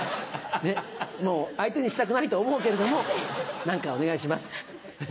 もう相手にしたくないと思うけれども何かお願いします。